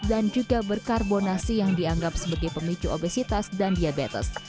dan juga berkarbonasi yang dianggap sebagai pemicu obesitas dan diabetes